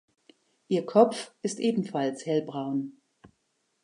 Ihr Kopf ist ebenfalls hellbraun.